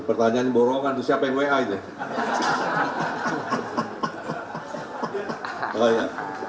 pertanyaan borongan siapa yang wa aja